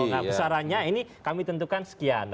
nah besarannya ini kami tentukan sekian